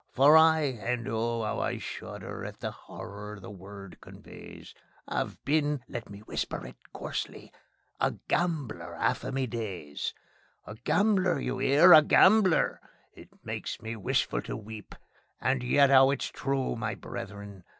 For I and oh, 'ow I shudder at the 'orror the word conveys! 'Ave been let me whisper it 'oarsely a gambler 'alf of me days; A gambler, you 'ear a gambler. It makes me wishful to weep, And yet 'ow it's true, my brethren!